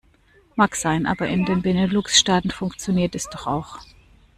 Mag sein, aber in den Benelux-Staaten funktioniert es doch auch.